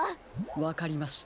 わかりました。